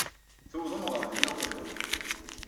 Tuwḍem ɣer din uqbel-iw.